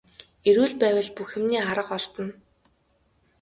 Эрүүл байвал бүх юмны арга олдоно.